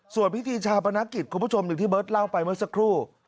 ส่วนพิธีชาปนกิจคุณผู้ชมอย่างที่เบิร์ตเล่าไปเมื่อสักครู่